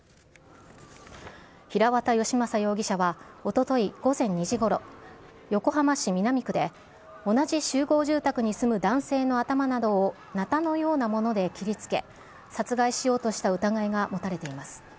平綿由政容疑者はおととい午前２時ごろ、横浜市南区で同じ集合住宅に住む男性の頭などをなたのようなもので切りつけ、殺害しようとした疑いが持たれています。